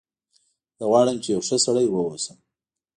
زه غواړم چې یو ښه سړی و اوسم